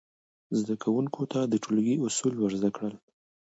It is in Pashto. زده کوونکو ته د ټولګي اصول ور زده کول،